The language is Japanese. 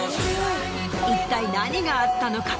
一体何があったのか？